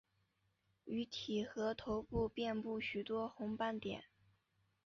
鱼体和头部遍布许多红斑点。